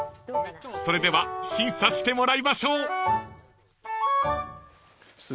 ［それでは審査してもらいましょう］